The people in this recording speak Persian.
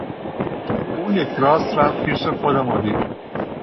او یکراست رفت پیش خود مدیر.